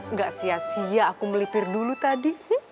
nggak sia sia aku melipir dulu tadi